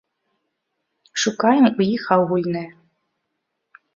Шукаем у іх агульнае.